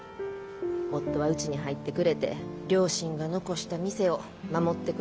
夫はうちに入ってくれて両親が残した店を守ってくれました。